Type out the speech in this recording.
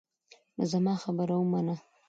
نو زما خبره ومنه.